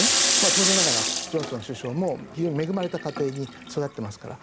当然ながらジョンソン首相も非常に恵まれた家庭に育ってますから。